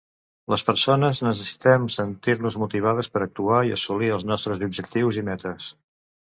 Les persones necessitem sentir-nos motivades per actuar i assolir els nostres objectius i metes.